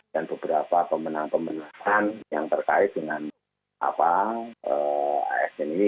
dan beberapa pemenang pemenangkan yang terkait dengan apa asn ini